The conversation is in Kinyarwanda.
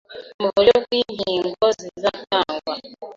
mu buryo bw'inkingo zizatangwa